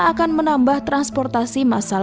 akan menambah transportasi masal